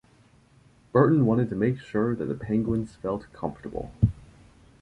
Burton wanted to make sure that the penguins felt comfortable.